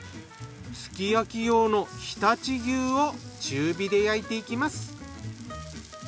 すき焼き用の常陸牛を中火で焼いていきます。